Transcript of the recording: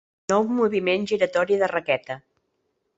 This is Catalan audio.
Nou moviment giratori de raqueta!